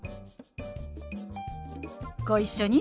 ご一緒に。